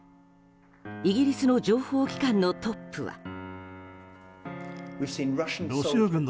イギリスの情報機関のトップは。